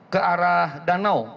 ke arah danau